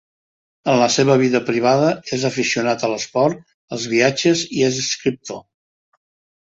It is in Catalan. En la seva vida privada, és aficionat a l'esport, als viatges i és escriptor.